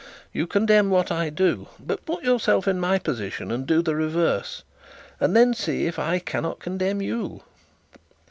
You condemn what I do; but put yourself in my position and do the reverse, and then see if I cannot condemn you.'